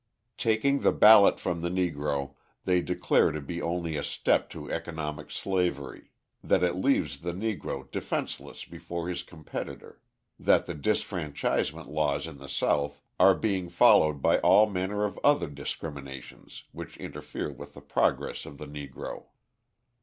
Taking the ballot from the Negro they declare to be only a step to economic slavery; that it leaves the Negro defenceless before his competitor that the disfranchisement laws in the South are being followed by all manner of other discriminations which interfere with the progress of the Negro.